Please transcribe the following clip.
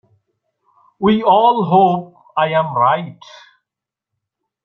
We all hope I am right.